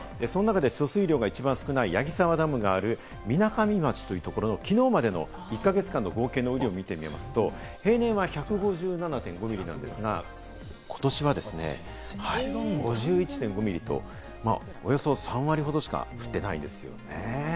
貯水量が一番少ない矢木沢ダムがある、みなかみ町というところ、きのうまでの１か月間の合計の雨量を見てみますと、平年は１５７．５ミリなんですが、ことしはですね、５１．５ミリとおよそ３割ほどしか降ってないんですよね。